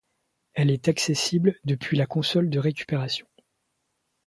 Elle est accessible depuis la console de récupération.